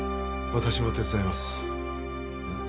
私も手伝いますえっ？